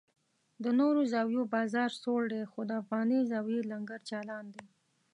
د نورو زاویو بازار سوړ دی خو د افغاني زاویې لنګر چالان دی.